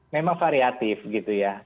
memang variatif gitu ya